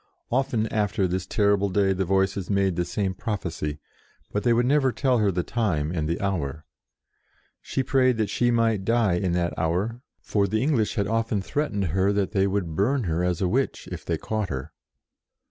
Often after this terrible day the Voices made the same prophecy, but they would never tell her the time and the hour. She prayed that she might die in that hour, for the English had often threat ened her that they would burn her as a witch, if they caught her.